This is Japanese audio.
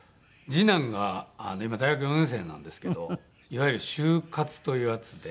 次男が今大学４年生なんですけどいわゆる就活というやつで。